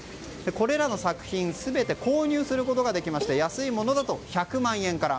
これらの作品全て購入することができまして安いものだと１００万円から。